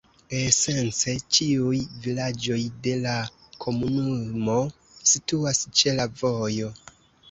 Esence ĉiuj vilaĝoj de la komunumo situas ĉe la vojo.